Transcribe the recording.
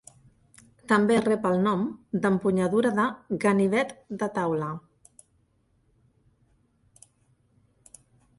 També rep el nom d'empunyadura de "ganivet de taula".